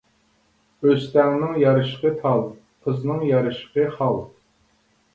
ئۆستەڭنىڭ يارىشىقى تال، قىزنىڭ يارىشىقى خال.